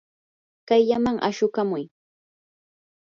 kayllaman ashukamuy.